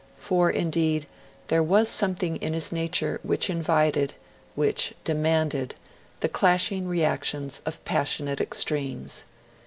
For, indeed, there was something in his nature which invited which demanded the clashing reactions of passionate extremes.